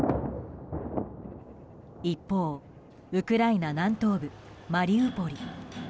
一方、ウクライナ南東部マリウポリ。